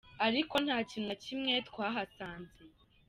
Ariko nta kintu na kimwe twahasanze.